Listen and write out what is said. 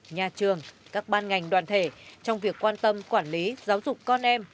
nhà trường các ban ngành đoàn thể trong việc quan tâm quản lý giáo dục con em